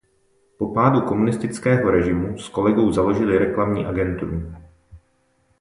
Po pádu komunistického režimu s kolegou založili reklamní agenturu.